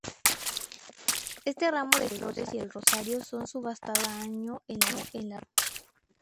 Este ramo de flores y el rosario son subastados cada año en la romería.